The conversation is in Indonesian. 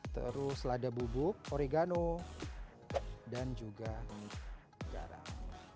terus lada bubuk oregano dan juga garam